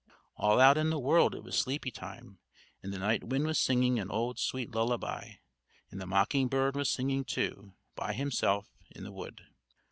All out in the world it was sleepy time; and the night wind was singing an old sweet lullaby, and the mocking bird was singing too, by himself, in the wood.